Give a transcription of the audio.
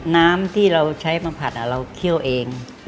น้ำที่เราใช้มาผัดเราเคี่ยวเอง